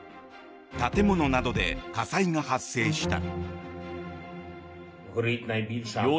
建物などで火災が発生した。